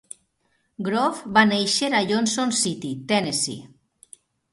Grove va néixer a Johnson City, Tennessee.